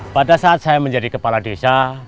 pada saat saya menjadi kepala desa